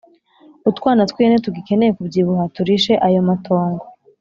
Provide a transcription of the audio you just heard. utwana tw’ihene tugikeneye kubyibuha, turishe ayo matongo.